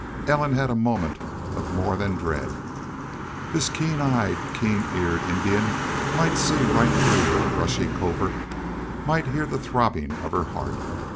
Ellen had a moment of more than dread. This keen eyed, keen eared Indian might see right through her brushy covert, might hear the throbbing of her heart.